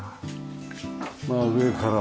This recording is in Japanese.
まあ上からもね